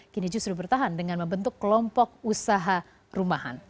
kini justru bertahan dengan membentuk kelompok usaha rumahan